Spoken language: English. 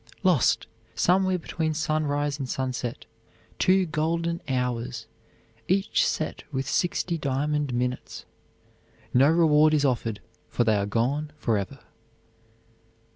Lost! Somewhere between sunrise and sunset, two golden hours, each set with sixty diamond minutes. No reward is offered, for they are gone forever.